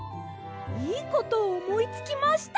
いいことをおもいつきました！